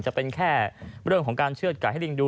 จะเป็นแค่เรื่องของการเชื่อดไก่ให้ลิงดู